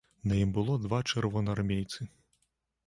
На ім было два чырвонаармейцы.